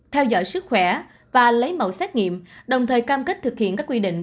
theo dõi sức khỏe và lấy mẫu xét nghiệm đồng thời cam kết thực hiện các quy định